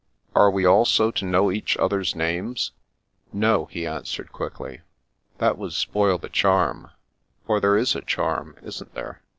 " Are we also to know each other's names ?"" No," he answered quickly. " That would spoil the charm: for there is a charm, isn't there?